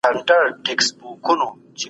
په څېړنیزه مقاله کي روماني اسلوب نه کارول کېږي.